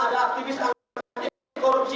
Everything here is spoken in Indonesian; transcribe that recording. ada aktivis ada korupsi